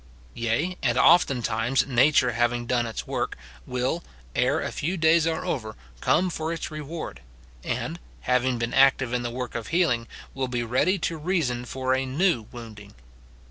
Yea, and oftentimes nature having done its work, will, ere a few days are over, come for its roAvard ; and, having been active in the work of healing, will be ready to reason for a new wounding.